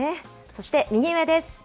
そして右上です。